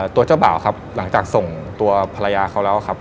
เจ้าบ่าวครับหลังจากส่งตัวภรรยาเขาแล้วครับ